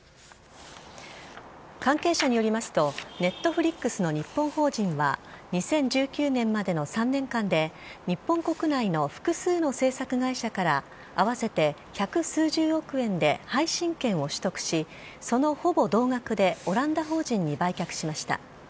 関係者によりますと、ネットフリックスの日本法人は、２０１９年までの３年間で、日本国内の複数の制作会社から、合わせて百数十億円で配信権を取得し、そのほぼ同額でオランダ法人に売却しました。